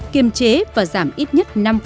kiềm chế và giảm ít nhất